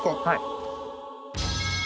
はい。